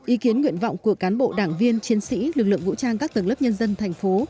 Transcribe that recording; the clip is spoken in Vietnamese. ý kiến nguyện vọng của cán bộ đảng viên chiến sĩ lực lượng vũ trang các tầng lớp nhân dân thành phố